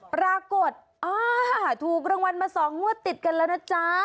ปรากฏอ่าถูกรางวัลมา๒งวดติดกันแล้วนะจ๊ะ